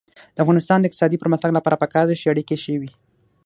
د افغانستان د اقتصادي پرمختګ لپاره پکار ده چې اړیکې ښې وي.